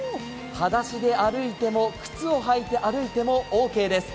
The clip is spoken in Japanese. はだしで歩いても靴を履いて歩いてもオーケーです。